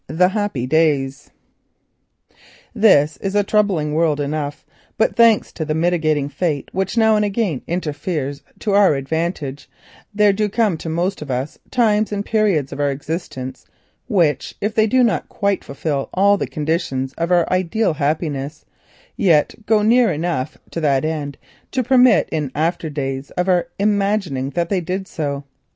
THE HAPPY DAYS This is a troublesome world enough, but thanks to that mitigating fate which now and again interferes to our advantage, there do come to most of us times and periods of existence which, if they do not quite fulfil all the conditions of ideal happiness, yet go near enough to that end to permit in after days of our imagining that they did so.